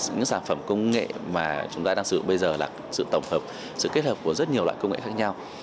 những sản phẩm công nghệ mà chúng ta đang sử dụng bây giờ là sự tổng hợp sự kết hợp của rất nhiều loại công nghệ khác nhau